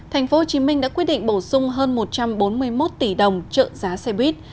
thành phố hồ chí minh đã quyết định bổ sung hơn một trăm bốn mươi một tỷ đồng trợ giá xe buýt